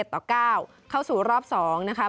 ๑๑ต่อ๙เข้าสู่รอบที่๒